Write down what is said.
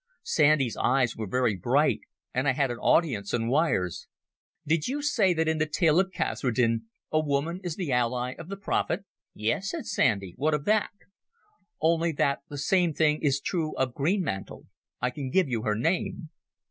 Sandy's eyes were very bright and I had an audience on wires. "Did you say that in the tale of Kasredin a woman is the ally of the prophet?" "Yes," said Sandy; "what of that?" "Only that the same thing is true of Greenmantle. I can give you her name."